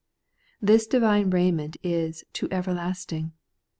This divine raiment is ' to everlast ing.